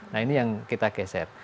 nah ini yang kita geser